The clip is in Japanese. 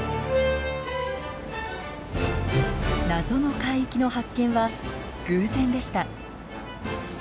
謎の海域の発見は偶然でした。